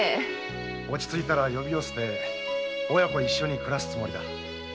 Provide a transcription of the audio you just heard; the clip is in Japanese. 落ちついたら呼び寄せて親子一緒に暮らすつもりだ。